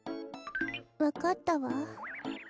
わかったわ。